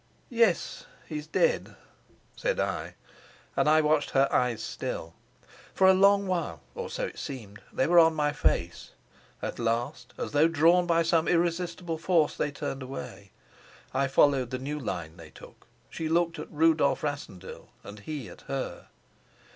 "Yes, he's dead." said I; and I watched her eyes still. For a long while (or long it seemed) they were on my face; at last, as though drawn by some irresistible force, they turned away. I followed the new line they took. She looked at Rudolf Rassendyll, and he at her.